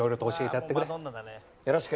よろしく。